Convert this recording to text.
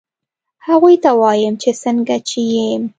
هغوی ته وایم چې څنګه چې یم